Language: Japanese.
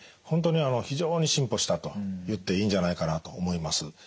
本当に非常に進歩したと言っていいんじゃないかなと思います。